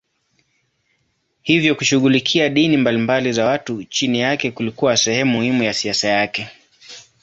Hivyo kushughulikia dini mbalimbali za watu chini yake kulikuwa sehemu muhimu ya siasa yake.